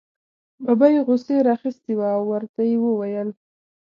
ببۍ غوسې را اخیستې وه او ورته یې وویل.